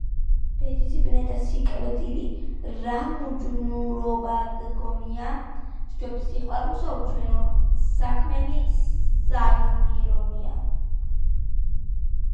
ბედითი ბნედა სიკვდილი რა მიჯნურობაგგონია? სჯობს საყვარელსა უჩვენე საქმენი საგმირონია.